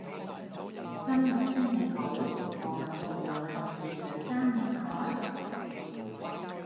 今日天氣好，何文田游泳池人山人海。